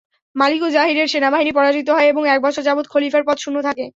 মালিকু যাহিরের সেনাবাহিনী পরাজিত হয় এবং এক বছর যাবত খলীফার পদ শূন্য থাকে।